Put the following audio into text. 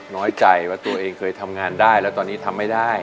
น้อยใจว่าตัวเองเคยทำงานได้แล้วตอนนี้ทำไม่ได้